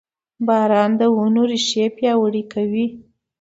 • باران د ونو ریښې پیاوړې کوي.